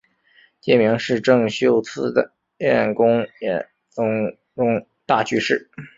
戒名是政秀寺殿功庵宗忠大居士。